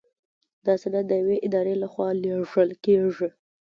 دا سند د یوې ادارې لخوا لیږل کیږي.